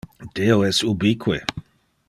Deo es ubique.